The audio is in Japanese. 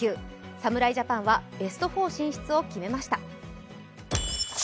侍ジャパンはベスト４進出を決めました。